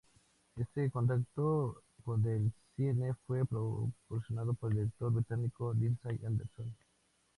Este contacto con el cine fue propiciado por el director británico Lindsay Anderson.